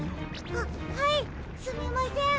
あっはいすみません。